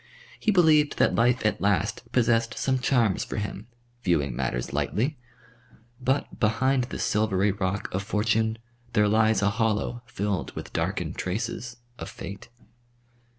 He believed that life at last possessed some charms for him, viewing matters lightly. But behind the silvery rock of fortune there lies a hollow filled with darkened traces of fate.